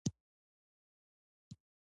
د ګلاب غوړي د ښکلا لپاره وکاروئ